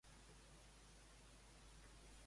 Quina aportació va fer Wissowa?